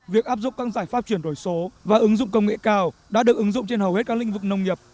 việc áp dụng các giải pháp chuyển đổi số và ứng dụng công nghệ cao đã được ứng dụng trên hầu hết các lĩnh vực nông nghiệp